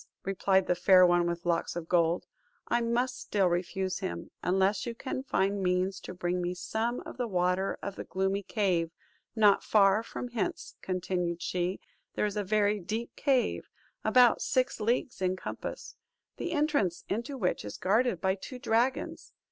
replied the Fair One with Locks of Gold, "I must still refuse him, unless you can find means to bring me some of the water of the gloomy cave. Not far from hence," continued she, "there is a very deep cave, about six leagues in compass; the entrance into which is guarded by two dragons.